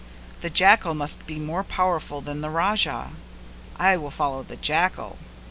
The jackal must be more powerful than the Raja; I will follow the jackal."